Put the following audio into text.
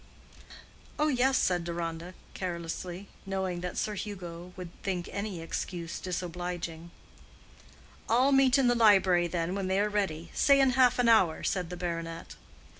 "Oh, yes," said Deronda, carelessly, knowing that Sir Hugo would think any excuse disobliging. "All meet in the library, then, when they are ready—say in half an hour," said the baronet.